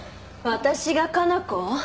私が加奈子を？